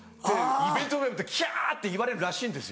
イベントなんてキャ！って言われるらしいんですよ。